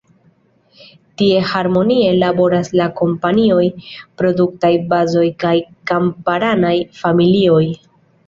Tie harmonie laboras la kompanioj, produktaj bazoj kaj kamparanaj familioj.